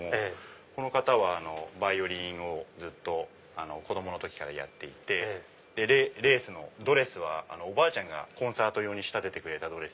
この方はバイオリンをずっと子供の時からやっていてレースのドレスはおばあちゃんがコンサート用に仕立ててくれた。